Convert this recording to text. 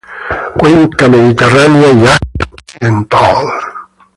Cuenca mediterránea y Asia occidental.